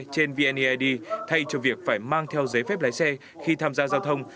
trên vneid thay cho việc phải mang theo giấy phép lái xe khi tham gia giao thông